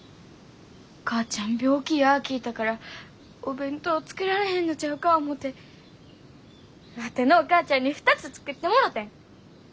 お母ちゃん病気や聞いたからお弁当作られへんのちゃうか思てワテのお母ちゃんに２つ作ってもろてん。